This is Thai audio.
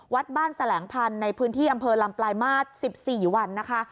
วัดบ้านแสลงพันธุ์ในพื้นที่อำเภอลำปลายมาตร๑๔วันนะคะ